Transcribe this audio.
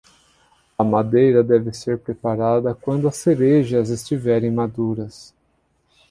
A madeira deve ser preparada quando as cerejas estiverem maduras.